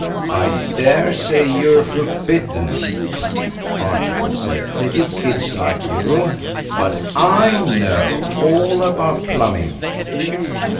"I daresay you're forbidden," Archibald said, "little kids like you. But I know all about plumbing."